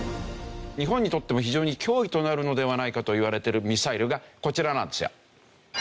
日本にとっても非常に脅威となるのではないかといわれているミサイルがこちらなんですよ。